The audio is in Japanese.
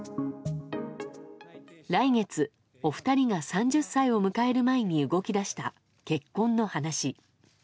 来月、お二人が３０歳を迎える前に動き出した結婚の話。